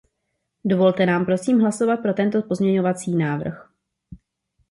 Dovolte nám, prosím, hlasovat pro tento pozměňovací návrh.